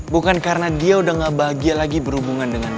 bukan karena dia udah gak bahagia lagi berhubungan dengan